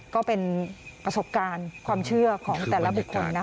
ก็เป็นประสบการณ์ความเชื่อของแต่ละบุคคลนะ